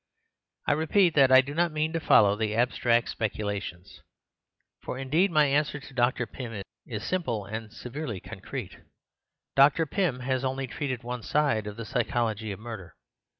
I repeat that I do not mean to follow the abstract speculations. For, indeed, my answer to Dr. Pym is simple and severely concrete. Dr. Pym has only treated one side of the psychology of murder.